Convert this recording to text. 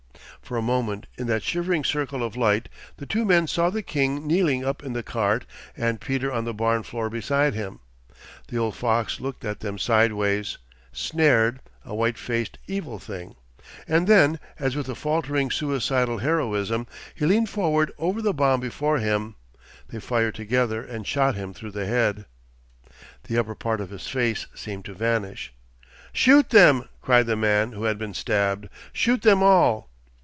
For a moment in that shivering circle of light the two men saw the king kneeling up in the cart and Peter on the barn floor beside him. The old fox looked at them sideways—snared, a white faced evil thing. And then, as with a faltering suicidal heroism, he leant forward over the bomb before him, they fired together and shot him through the head. The upper part of his face seemed to vanish. 'Shoot them,' cried the man who had been stabbed. 'Shoot them all!